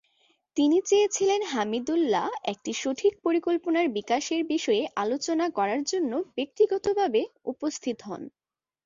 তিনি চেয়েছিলেন হামিদুল্লাহ একটি সঠিক পরিকল্পনার বিকাশের বিষয়ে আলোচনা করার জন্য ব্যক্তিগতভাবে উপস্থিত হন।